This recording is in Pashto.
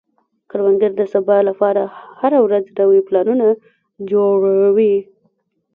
کروندګر د سبا لپاره هره ورځ نوي پلانونه جوړوي